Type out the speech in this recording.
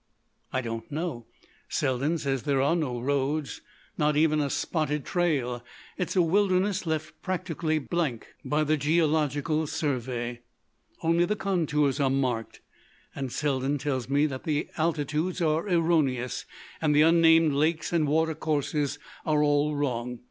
"I don't know. Selden says there are no roads,—not even a spotted trail. It's a wilderness left practically blank by the Geological Survey. Only the contours are marked, and Selden tells me that the altitudes are erroneous and the unnamed lakes and water courses are all wrong.